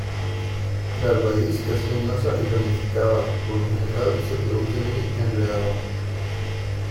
La raíz es leñosa y ramificada, por lo general se produce muy enredada.